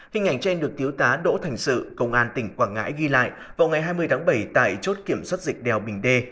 hình ảnh trên được thiếu tá đỗ thành sự công an tỉnh quảng ngãi ghi lại vào ngày hai mươi tháng bảy tại chốt kiểm soát dịch đèo bình đê